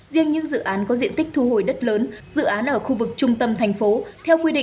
riêng những dự án có diện tích thu hồi đất lớn dự án ở khu vực trung tâm thành phố